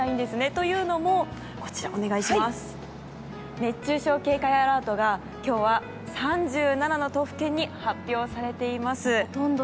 というのも熱中症警戒アラートが今日は３７の都府県に発表されています。